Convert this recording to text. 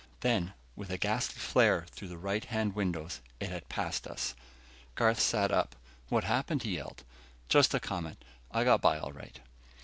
Then, with a ghastly flare through the right hand windows, it had passed us. Garth sat straight up. "What happened?" he yelled. "Just a comet. I got by all right."